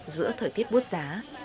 giữa thời tiết bút giá